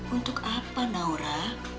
untuk apa naura